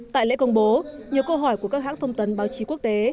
tại lễ công bố nhiều câu hỏi của các hãng thông tấn báo chí quốc tế